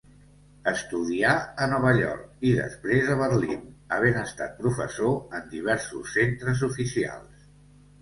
Estudià a Nova York i després a Berlín, havent estat professor en diversos centres oficials.